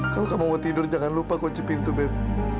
kalau kamu mau tidur jangan lupa kunci pintu bep